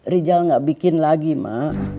rijal gak bikin lagi mak